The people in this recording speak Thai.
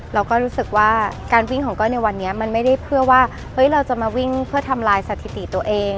เราก็รู้สึกว่าการวิ่งของก้อยในวันนี้มันไม่ได้เพื่อว่าเฮ้ยเราจะมาวิ่งเพื่อทำลายสถิติตัวเอง